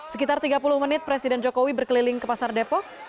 sekitar tiga puluh menit presiden jokowi berkeliling ke pasar depok